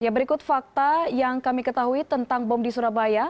berikut fakta yang kami ketahui tentang bom di surabaya